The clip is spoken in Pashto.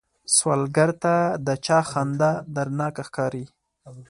سوالګر ته د چا خندا دردناکه ښکاري